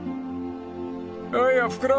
［おーいおふくろ］